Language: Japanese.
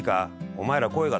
お前ら声が」